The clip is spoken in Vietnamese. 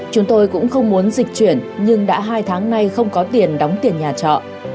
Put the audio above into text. chúng tôi cũng không muốn dịch chuyển nhưng đã hai tháng nay không có tiền đóng tiền nhà trọ